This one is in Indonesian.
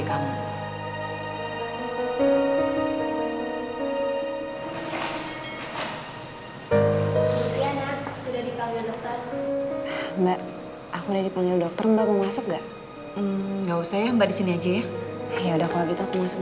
aku mau pergi